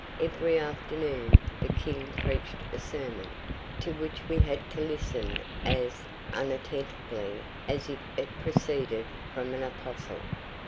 Every afternoon the King preached a sermon, to which we had to listen as attentively as if it proceeded from an Apostle.